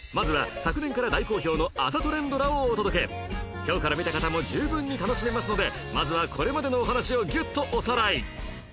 今日から見た方も十分に楽しめますのでまずはこれまでのお話をギュッとおさらい